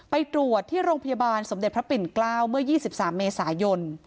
ไปตรวจที่โรงพยาบาลสมเด็จพระปิ่นเกล้าเมื่อ๒๓เมษายน